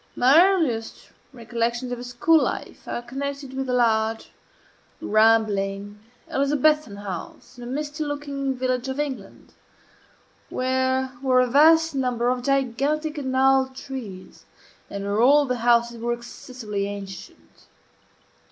My earliest recollections of a school life are connected with a large, rambling, Elizabethan house, in a misty looking village of England, where were a vast number of gigantic and gnarled trees, and where all the houses were excessively ancient.